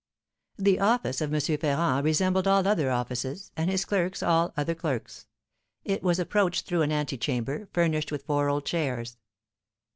The office of M. Ferrand resembled all other offices, and his clerks all other clerks. It was approached through an antechamber, furnished with four old chairs.